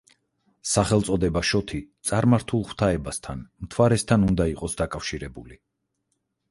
სახელწოდება „შოთი“ წარმართულ ღვთაებასთან, მთვარესთან უნდა იყოს დაკავშირებული.